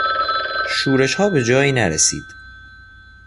شورشها به جایی نرسید.